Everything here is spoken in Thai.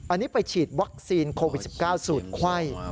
อันนี้ไปฉีดวัคซีนโควิด๑๙สูตรไข้